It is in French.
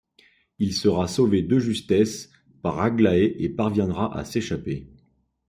Il sera sauvé de justesse par Aglaé et parviendra à s'échapper.